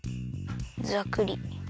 ざくり。